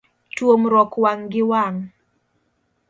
Tuomruok wang' gi wang'.